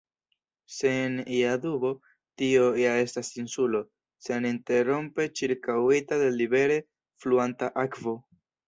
Sen ia dubo, tio ja estas insulo, seninterrompe ĉirkaŭita de libere fluanta akvo.